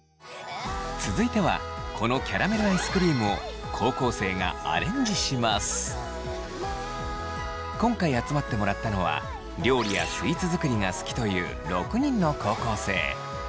続いてはこのキャラメルアイスクリームを今回集まってもらったのは料理やスイーツ作りが好きという６人の高校生。